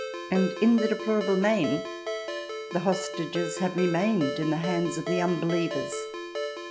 And, in the deplorable main, the hostages have remained in the hands of the unbelievers.